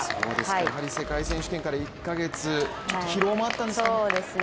やはり世界選手権から１か月、ちょっと疲労もあったんですかね？